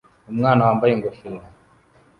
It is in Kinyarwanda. Umwana wambaye ingofero